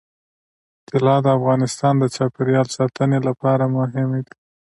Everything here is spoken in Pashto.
طلا د افغانستان د چاپیریال ساتنې لپاره مهم دي.